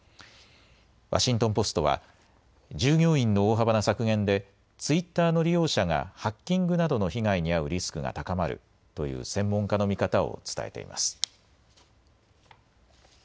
ワシントン・ポストは従業員の大幅な削減でツイッターの利用者がハッキングなどの被害に遭うリスクが高まるという専門家の見方を伝えています。